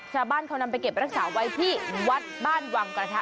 ชาวบ้านเขานำไปเก็บรักษาไว้ที่วัดบ้านวังกระทะ